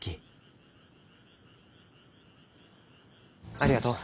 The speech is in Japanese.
ありがとう。